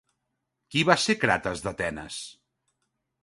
Qui va ser Crates d'Atenes?